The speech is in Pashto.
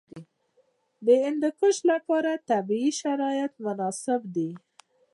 د هندوکش لپاره طبیعي شرایط مناسب دي.